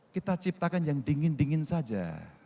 kita ciptakan yang dingin dingin saja